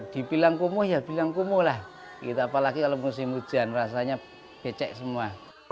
di bilang kumuh ya bilang kumuh lah apalagi kalau musim hujan rasanya becek semua